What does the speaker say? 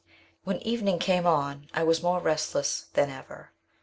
When evening came on I was more restless than ever.